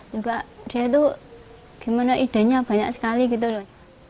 juga dia itu gimana idenya banyak sekali gitu loh